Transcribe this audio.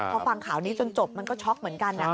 พอฟังข่าวนี้จนจบมันก็ช็อกเหมือนกัน